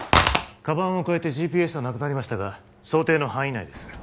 カバンを替えてＧＰＳはなくなりましたが想定の範囲内です